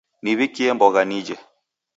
Niw'ikie mbogha nije.